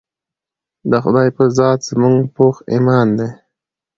د خدائے پۀ ذات زمونږ پوخ ايمان دے